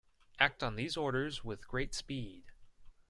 Act on these orders with great speed.